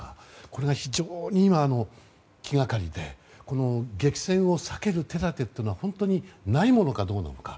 これが非常に今、気がかりで激戦を避ける手立てというのは本当にないものかどうなのか。